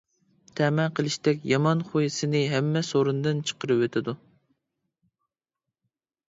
تەمە قىلىشتەك يامان خۇي سېنى ھەممە سورۇندىن چىقىرىۋېتىدۇ.